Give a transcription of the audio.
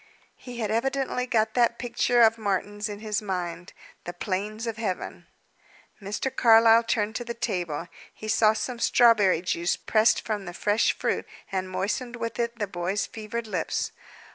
He had evidently got that picture of Martin's in his mind, "The Plains of Heaven." Mr. Carlyle turned to the table. He saw some strawberry juice, pressed from the fresh fruit, and moistened with it the boy's fevered lips.